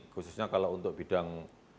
khususnya kalau untuk bidang